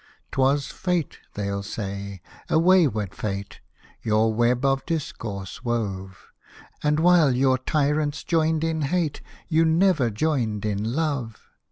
"'Twas fate," they'll say, "a wayward fate Your web of discord wove ; And while your tyrants joined in hate. You never joined in love.